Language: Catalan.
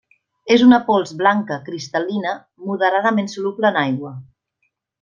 És una pols blanca cristal·lina moderadament soluble en aigua.